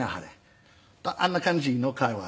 あんな感じの会話。